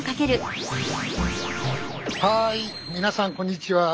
はい皆さんこんにちは。